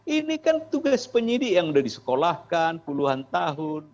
ini kan tugas penyidik yang sudah disekolahkan puluhan tahun